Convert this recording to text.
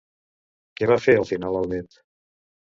Què va fer al final el net?